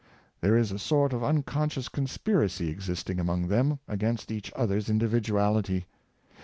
There is a sort of uncon scious conspiracy existing among them against each other's individuaHty.